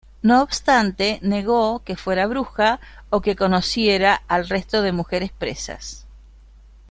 No obstante negó que fuera bruja, o que conociera al resto de mujeres presas.